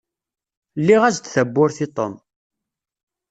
Lliɣ-as-d tawwurt i Tom.